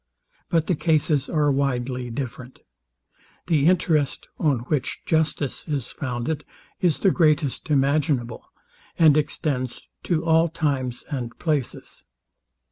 But the cases are widely different. The interest, on which justice is founded, is the greatest imaginable, and extends to all times and places.